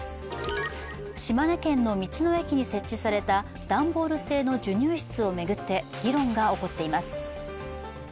島根県の道の駅に設置された段ボール製の授乳室を巡って議論が起こっています。